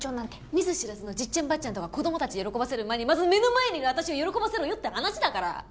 見ず知らずのじっちゃんばっちゃんとか子供たちを喜ばせる前にまず目の前にいる私を喜ばせろよって話だから。